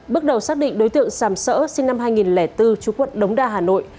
bước đầu xác định đối tượng sàm sỡ sinh năm hai nghìn bốn chú quận đống đa hà nội